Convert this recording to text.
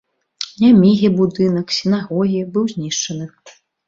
Нямігі будынак сінагогі быў знішчаны.